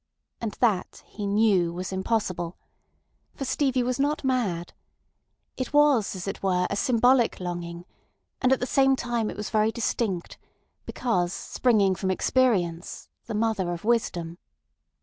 And that, he knew, was impossible. For Stevie was not mad. It was, as it were, a symbolic longing; and at the same time it was very distinct, because springing from experience, the mother of wisdom.